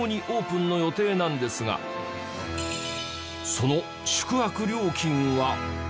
その宿泊料金は。